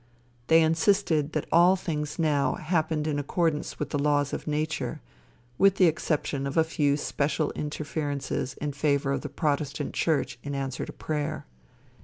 They insisted that all things now happened in accordance with the laws of nature, with the exception of a few special interferences in favor of the protestant church in answer to prayer.